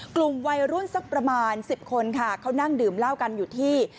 กลุ่มวัยรุ่นสักประมาณ๑๐คนค่ะเขานั่งดื่มเหล้ากันอยู่ที่